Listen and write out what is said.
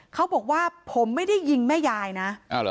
เขาบอกว่าผมไม่ได้ยิงแม่ยายนะ